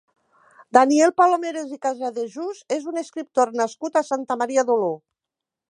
Daniel Palomeras i Casadejús és un escriptor nascut a Santa Maria d'Oló.